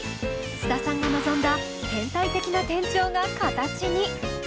須田さんが望んだ変態的な転調が形に。